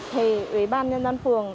thì ủy ban nhân dân phường